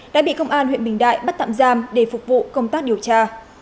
đã bị công an huyện bình đại bắt tạm giam để phục vụ công tác điều tra